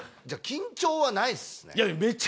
じゃあ緊張はないっすね。